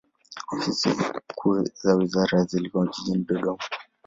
Ofisi kuu za wizara hii zilikuwa jijini Dodoma.